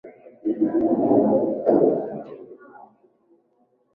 Wanyamapori walao nyama kama vile simba chui na fisi Wengineo ni kama vile duma